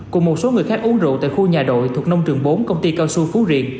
cùng một số người khác uống rượu tại khu nhà đội thuộc nông trường bốn công ty cao su phú riêng